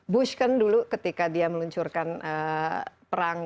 bush kan dulu ketika dia meluncurkan perang